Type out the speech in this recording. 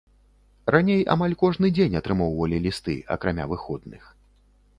Раней амаль кожны дзень атрымоўвалі лісты акрамя выходных.